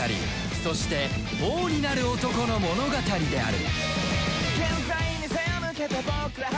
そして王になる男の物語である